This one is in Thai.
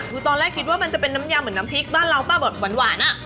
คือตอนแรกคิดว่ามันจะเป็นน้ำยาเหมือนน้ำพริกบ้านเราป่ะแบบหวานอ่ะ